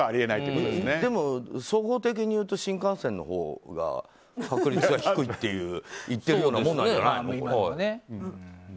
でも、総合的にいうと新幹線のほうが確率は低いといっているようなものだよね。